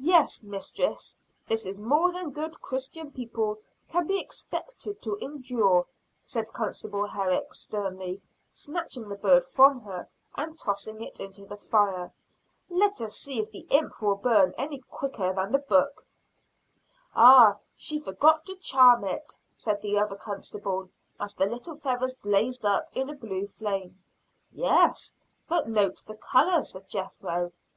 "Yes, mistress, this is more than good Christian people can be expected to endure," said constable Herrick, sternly, snatching the bird from her and tossing it into the fire. "Let us see if the imp will burn any quicker than the book." "Ah, she forgot to charm it," said the other constable, as the little feathers blazed up in a blue flame. "Yes, but note the color," said Jethro.